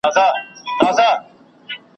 او ماته یې هم په دې مراسمو کي ,